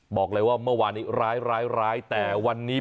บอกเลยว่าเมื่อวานนี้ร้ายแต่วันนี้